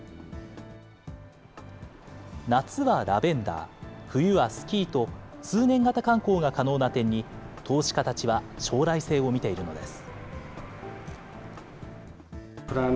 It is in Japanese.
夏はラベンダー、冬はスキーと、通年型観光が可能な点に、投資家たちは将来性を見ているのです。